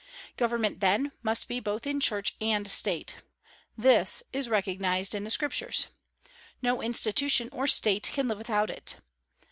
Government, then, must be in both Church and State. This is recognized in the Scriptures. No institution or State can live without it.